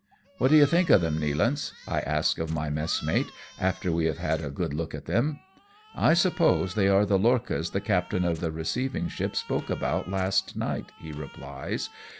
" What do you think of them, JSTealance ?" 1 ask of my messmate after we have had a good look at them. " I suppose they are the lorchas the captain of the receiving ship spoke about last night," he replies.